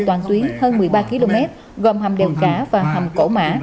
toàn tuyến hơn một mươi ba km gồm hầm đèo cả và hầm cổ mã